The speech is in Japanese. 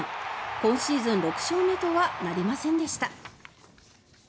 今シーズン６勝目とはなりませんでした。